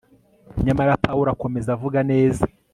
nyamara pawulo akomeza avuga neza